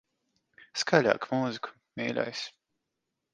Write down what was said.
Skaļāk mūziku, mīļais.